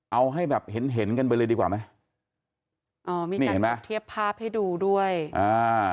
เอาให้แบบเห็นเห็นกันไปเลยดีกว่าไหมอ๋อนี่เห็นไหมเทียบภาพให้ดูด้วยอ่า